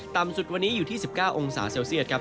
ต่ำสุดวันนี้อยู่ที่๑๙องศาเซลเซียตครับ